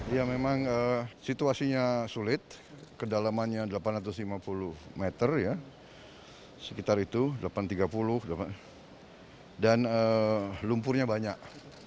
ya memang situasinya sulit kedalamannya delapan ratus lima puluh meter sekitar itu delapan ratus tiga puluh dan lumpurnya banyak